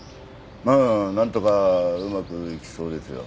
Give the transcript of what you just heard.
まあなんとかうまくいきそうですよ。